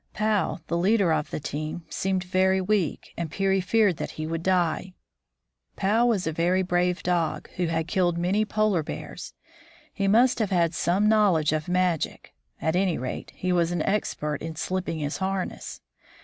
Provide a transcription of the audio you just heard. Pau, the leader of the team, seemed very weak, and Peary feared that he would die. Pau was a very brave dog, who had killed many polar bears. He must have had some knowledge of magic ; at any rate, he was an expert in slipping his harness.